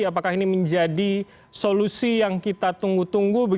apakah ini menjadi solusi yang kita tunggu tunggu